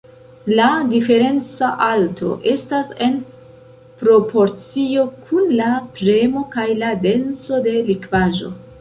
La diferenca alto estas en proporcio kun la premo kaj la denso de likvaĵo.